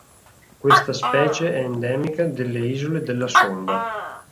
Questa specie è endemica delle Isole della Sonda.